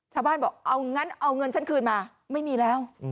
ชาวบ้านบอกเอางั้นเอาเงินฉันคืนมาไม่มีแล้ว